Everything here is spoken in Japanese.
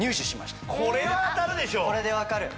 これで分かる。